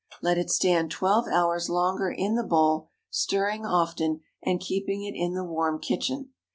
Let it stand twelve hours longer in the bowl, stirring often, and keeping it in the warm kitchen.